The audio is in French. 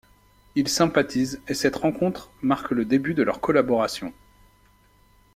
Ils sympathisent et cette rencontre marque le début de leur collaboration.